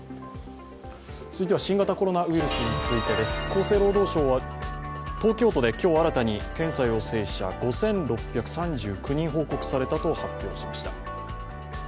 続いては新型コロナウイルスについてです、厚生労働省は、東京都で今日新たに検査陽性者、５６３９人報告されたと発表しました。